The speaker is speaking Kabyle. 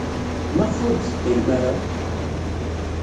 Maɣef ur d-teqqilem ara?